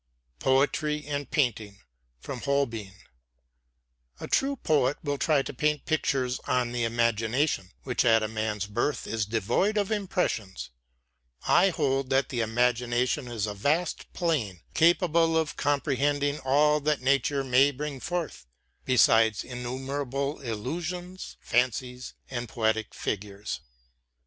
POETRY AND PAINTING From 'Holbein' A true poet will try to paint pictures on the imagination, which at a man's birth is devoid of impressions, I hold that the imagination is a vast plain, capable of comprehending all that nature may bring forth, besides innumerable illusions, fancies, and poetic figures.